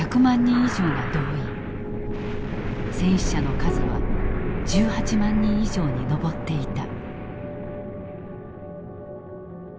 戦死者の数は１８万人以上に上っていた。